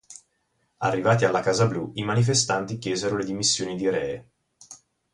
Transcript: Arrivati alla Casa Blu, i manifestanti chiesero le dimissioni di Rhee.